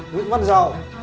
nguyễn văn giò